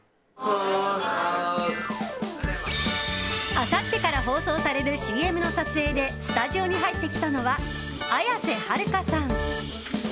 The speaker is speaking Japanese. あさってから放送されるＣＭの撮影でスタジオに入ってきたのは綾瀬はるかさん。